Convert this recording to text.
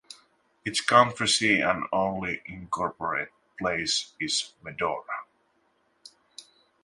Its county seat and only incorporated place is Medora.